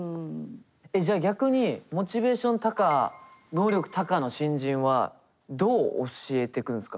えっじゃあ逆にモチベーション高能力高の新人はどう教えてくんすか？